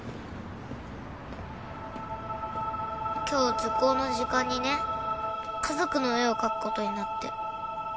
今日図工の時間にね家族の絵を描くことになって。